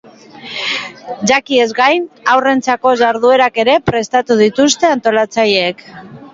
Jakiez gain, haurrentzako jarduerak ere prestatu dituzte antolatzaileek.